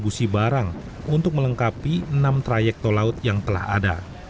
dan juga untuk mencari kontribusi barang untuk melengkapi enam trayek to laut yang telah ada